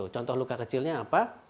contoh luka kecilnya apa